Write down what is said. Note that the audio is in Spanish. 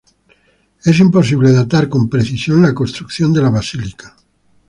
Es imposible datar con precisión la construcción de la basílica.